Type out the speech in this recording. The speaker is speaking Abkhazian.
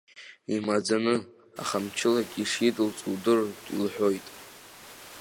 Имаӡаны, аха мчылагьы ишидылҵо удырыртә илҳәоит.